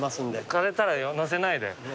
枯れたら載せないで。